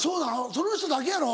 その人だけやろ？